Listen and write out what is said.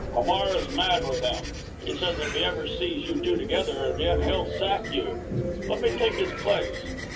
"Hamar is mad with him. He says if he ever sees you two together again he'll sack you. Let me take his place!"